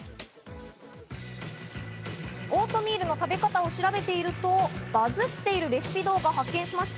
オートミールの食べ方を調べてみると、バズっているレシピ動画を発見しました。